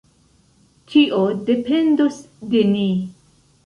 Tio dependos de ni!